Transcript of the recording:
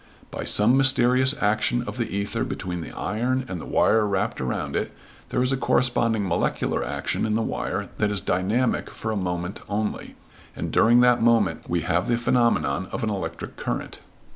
By some mysterious action of the ether between the iron and the wire wrapped around it there is a corresponding molecular action in the wire that is dynamic for a moment only, and during that moment we have the phenomenon of an electric current.